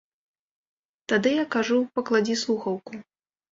Тады я кажу, пакладзі слухаўку.